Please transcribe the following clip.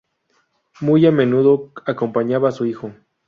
Muy a menudo acompañaba a su hijo.